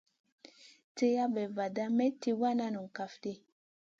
Tilla bay vada may tì wana nong kaf ɗi.